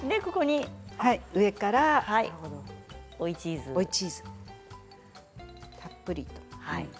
上から、追いチーズたっぷりと。